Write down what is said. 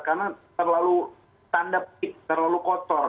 karena terlalu tanda pik terlalu kotor